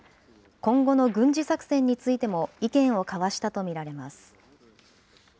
今後の軍事作戦についても意見を交わしたと見られます。